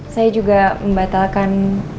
saya juga membatalkan